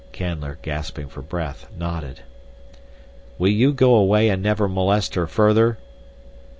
Canler, gasping for breath, nodded. "Will you go away and never molest her further?"